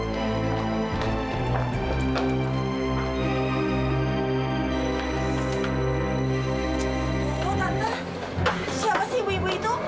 tanda siapa sih ibu ibu itu